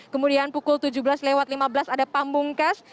kemudian pukul tujuh belas lewat lima belas ada pamungkas